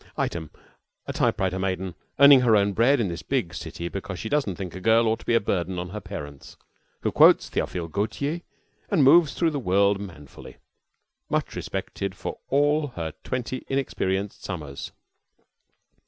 Item, a typewriter maiden earning her own bread in this big city, because she doesn't think a girl ought to be a burden on her parents, who quotes Theophile Gautier and moves through the world manfully, much respected for all her twenty inexperienced summers.